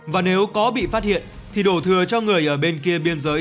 và nếu có bị phát hiện thì đổ thừa cho người ở bên kia biên giới